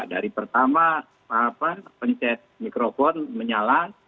dari pertama pencet mikrofon menyala